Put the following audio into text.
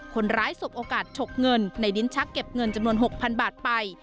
สบโอกาสฉกเงินในลิ้นชักเก็บเงินจำนวน๖๐๐๐บาทไป